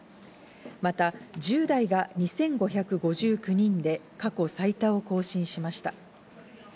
また、１０代が２５５９人で過去最多を更新しました。